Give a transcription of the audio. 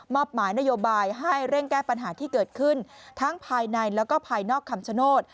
หมายนโยบายให้เร่งแก้ปัญหาที่เกิดขึ้นทั้งภายในแล้วก็ภายนอกคำชโนธ